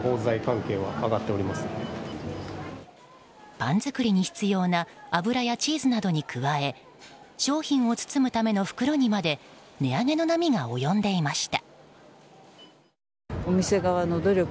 パン作りに必要な油やチーズなどに加え商品を包むための袋にまで値上げの波が及んでいました。